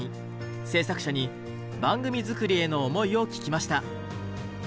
制作者に番組作りへの思いを聞きました。